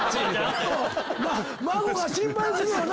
孫が心配するよな。